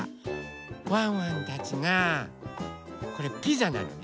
ワンワンたちがこれピザなのね。